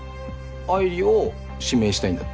愛梨を指名したいんだって。